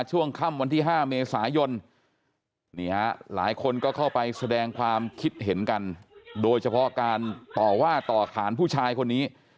ช่วงค่ำวันที่๕เมษายนนี่ฮะหลายคนก็เข้าไปแสดงความคิดเห็นกันโดยเฉพาะการต่อว่าต่อขานผู้ชายคนนี้